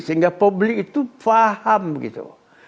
sehingga publik itu paham gitu